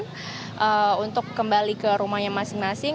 kemudian juga ada yang kembali ke rumahnya masing masing